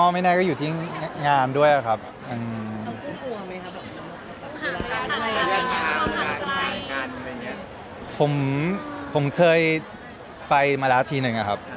ว่าพี่ตามไปไหมครับ